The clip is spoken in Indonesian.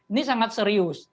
ini sangat serius